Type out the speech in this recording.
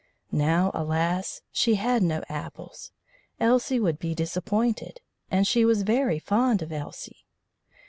Now, alas! she had no apples. Elsie would be disappointed; and she was very fond of Elsie.